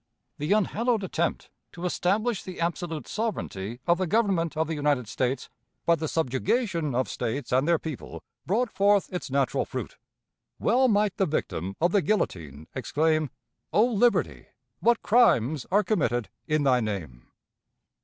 The unhallowed attempt to establish the absolute sovereignty of the Government of the United States, by the subjugation of States and their people, brought forth its natural fruit. Well might the victim of the guillotine exclaim, "O Liberty, what crimes are committed in thy name!"